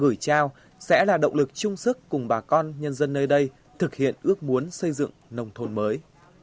gửi trao sẽ là động lực chung sức cùng bà con nhân dân nơi đây thực hiện ước muốn xây dựng nông thôn mới